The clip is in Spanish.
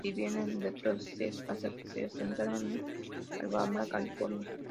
Vivieron en Detroit y Seattle hasta que se asentaron en Alhambra, California.